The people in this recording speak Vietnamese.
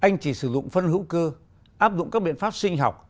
anh chỉ sử dụng phân hữu cơ áp dụng các biện pháp sinh học